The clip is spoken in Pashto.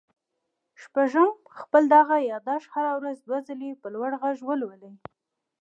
شپږم خپل دغه ياداښت هره ورځ دوه ځله په لوړ غږ ولولئ.